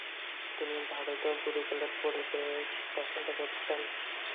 তিনি ভারতীয় গুরুকূলের পরিবেশ পছন্দ করতেন।